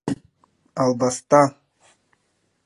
Албаста.